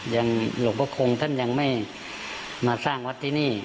หลวงพระคงท่านยังไม่มาสร้างวัดที่นี่